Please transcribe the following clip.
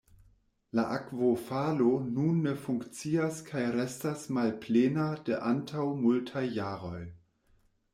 La akvofalo nun ne funkcias kaj restas malplena de antaŭ multaj jaroj.